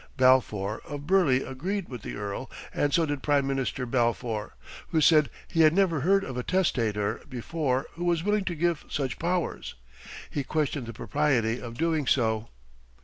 Balfour of Burleigh agreed with the Earl and so did Prime Minister Balfour, who said he had never heard of a testator before who was willing to give such powers. He questioned the propriety of doing so.